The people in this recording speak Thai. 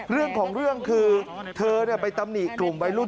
เรื่องของเรื่องคือเธอไปตำหนิกลุ่มวัยรุ่น